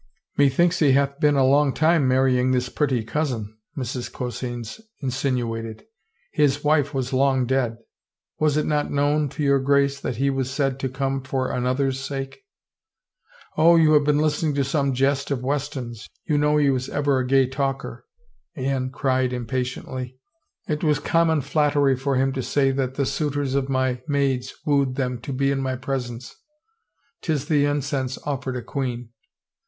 " Methinks he hath been a long time marrying this pretty cousin," Mrs. Coseyns insinuated. " His wife was long dead.*. .. Was it not known to your Grace that he was said to come for another's sake? "" Oh, you have been listening to some jest of Weston's — you know he was ever a gay talker," Anne cried impa 333 THE FAVOR OF KINGS tiently. " It was common flattery for him to say that the suitors of my maids wooed them to be in my presence — 'tis the incense offered a queen.